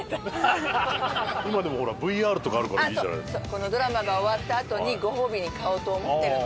このドラマが終わったあとにご褒美に買おうと思ってるの。